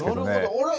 あれ！